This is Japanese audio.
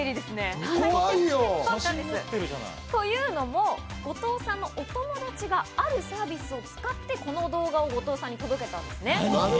怖いよ。というのも、後藤さんのお友達があるサービスを使ってこの動画を後藤さんに届けたんですね。